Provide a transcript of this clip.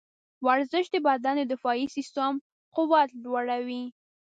ورزش د بدن د دفاعي سیستم قوت لوړوي.